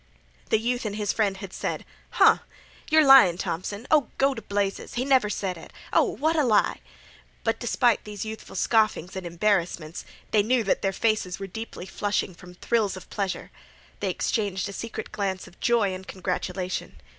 '" The youth and his friend had said: "Huh!" "Yer lyin' Thompson." "Oh, go t' blazes!" "He never sed it." "Oh, what a lie!" "Huh!" But despite these youthful scoffings and embarrassments, they knew that their faces were deeply flushing from thrills of pleasure. They exchanged a secret glance of joy and congratulation.